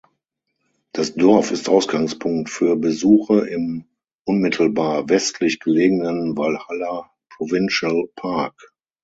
Das Dorf ist Ausgangspunkt für Besuche im unmittelbar westlich gelegenen Valhalla Provincial Park.